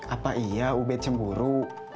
apa iya ubed cemburu